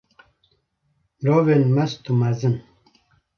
Mirovên mest û mezin!